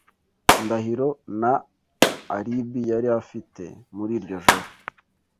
Ndahiro nta alibi yari afite muri iryo joro.